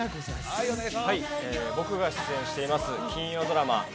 はい僕が出演しています金曜ドラマ「＃